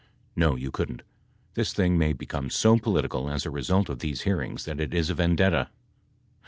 No, you couldn't. This thing may become so political as a result of these hearings that it is a vendetta.